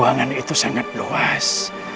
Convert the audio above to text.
ruangan itu sangat luas